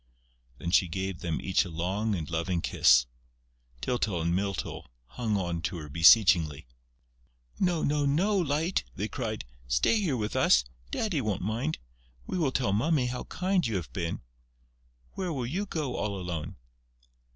Then she gave them each a long and loving kiss. Tyltyl and Mytyl hung on to her beseechingly: "No, no, no, Light!" they cried. "Stay here with us!... Daddy won't mind.... We will tell Mummy how kind you have been.... Where will you go all alone?"...